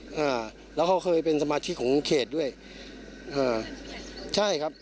อ่าแล้วเขาเคยเป็นสมาชิกของเขตด้วยอ่าใช่ครับ